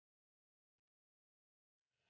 kok enggak balik balik ke kamar lagi